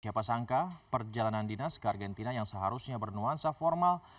siapa sangka perjalanan dinas ke argentina yang seharusnya bernuansa formal